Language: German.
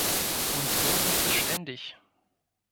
Und so ist es ständig.